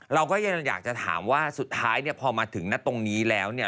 เราก็ยังอยากจะถามว่าสุดท้ายเนี่ยพอมาถึงนะตรงนี้แล้วเนี่ย